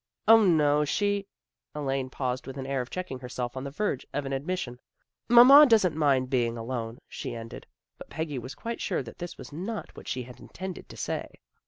" 0, no, she ' Elaine paused with an air of checking herself on the verge of an admis sion. " Mamma doesn't mind being alone," she ended, but Peggy was quite sure that this was not what she had intended to say.